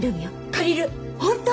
借りる！本当！？